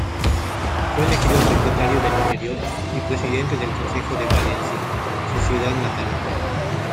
Fue elegido secretario del Interior y presidente del Consejo de Valencia, su ciudad natal.